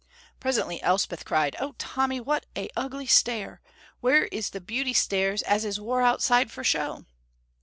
Presently Elspeth cried, "Oh, Tommy, what a ugly stair! Where is the beauty stairs as is wore outside for show?"